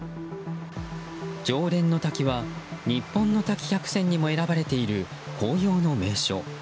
浄蓮の滝は日本の滝百選にも選ばれている紅葉の名所。